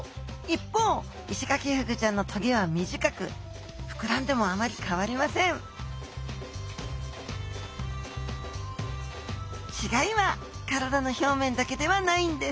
一方イシガキフグちゃんの棘は短く膨らんでもあまり変わりません違いは体の表面だけではないんです。